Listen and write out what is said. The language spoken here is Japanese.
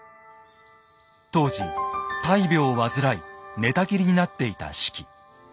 当時大病を患い寝たきりになっていた子規。